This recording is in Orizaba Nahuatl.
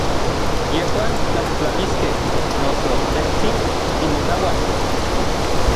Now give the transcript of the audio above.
Yejuan tlajtlamiskej, noso tejtsin timokauas.